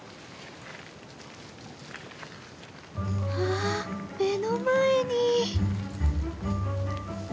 あ目の前に。